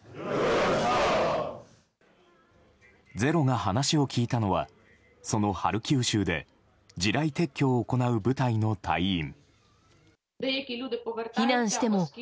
「ｚｅｒｏ」が話を聞いたのはそのハルキウ州で地雷撤去を行う部隊の隊員。